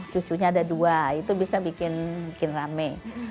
cucunya ada dua itu bisa bikin rame